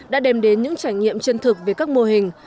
đã đem đến những trải nghiệm chân thực về các mô hình